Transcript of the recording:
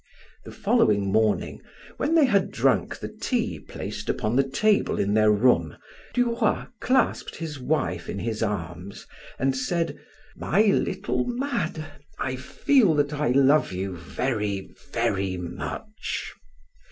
The following morning, when they had drunk the tea placed upon the table in their room, Duroy clasped his wife in his arms and said: "My little Made, I feel that I love you very, very much."